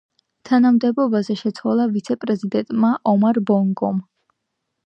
თანამდებობაზე შეცვალა ვიცე-პრეზიდენტმა ომარ ბონგომ.